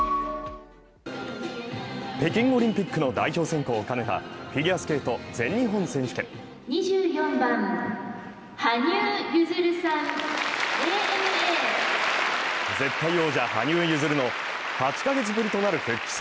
北京オリンピックの代表選考を兼ねたフィギュアスケート全日本選手権絶対王者羽生結弦の８カ月ぶりとなる復帰戦。